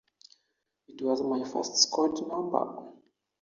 It was my first squad number.